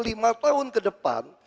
lima tahun ke depan